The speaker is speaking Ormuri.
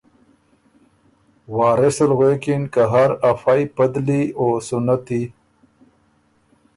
وارث ال غوېکِن که هر ا فئ پدلی او سُنتی